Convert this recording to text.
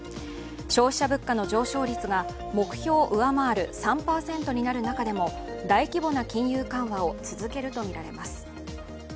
消費者物価の上昇率が目標を上回る３％になる中でも大規模な金融緩和を続けるとみられます。